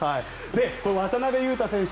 この渡邊雄太選手